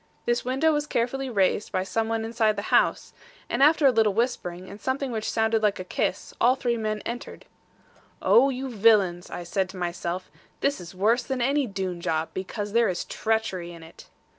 This window was carefully raised by some one inside the house; and after a little whispering, and something which sounded like a kiss, all the three men entered. 'Oh, you villains!' I said to myself, 'this is worse than any Doone job; because there is treachery in it.'